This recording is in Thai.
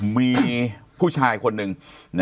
มีผู้ชายคนหนึ่ง